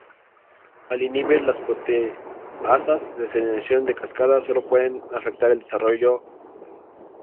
Al inhibir las proteasas de señalización de cascada, sólo pueden afectar el desarrollo.